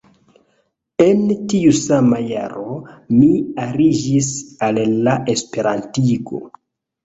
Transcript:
En tiu sama jaro, mi aliĝis al la esperantigo.